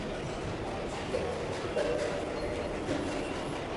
ڪونڪھ مني آپرا جيون ۾ ايلائي ڪجھ ڪروو